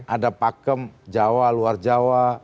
ada pakem jawa luar jawa